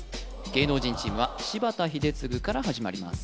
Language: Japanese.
芸能人チームは柴田英嗣から始まります